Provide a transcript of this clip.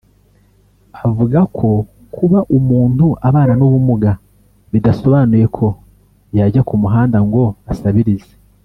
avuga ko kuba umuntu abana n’ubumuga bidasobanuye ko yajya ku muhanda ngo asabirize